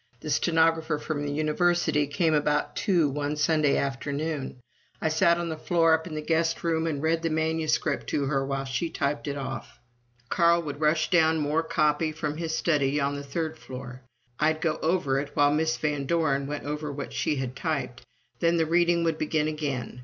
The stenographer from the University came about two one Sunday afternoon. I sat on the floor up in the guest room and read the manuscript to her while she typed it off. Carl would rush down more copy from his study on the third floor. I'd go over it while Miss Van Doren went over what she had typed. Then the reading would begin again.